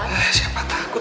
eh siapa takut